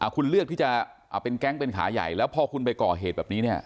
คุณเลือกที่จะเป็นแก๊งเป็นขาใหญ่แล้วพอคุณไปก่อเหตุแบบนี้เนี่ย